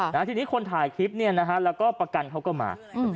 นะฮะทีนี้คนถ่ายคลิปเนี่ยนะฮะแล้วก็ประกันเขาก็มาอืม